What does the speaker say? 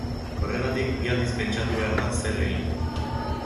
Horregatik bi aldiz pentsatu behar da zer egin.